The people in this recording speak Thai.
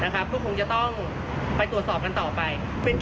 ก็คงจะต้องไปตรวจสอบกันต่อไป